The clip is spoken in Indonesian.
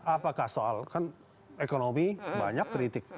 apakah soal kan ekonomi banyak kritik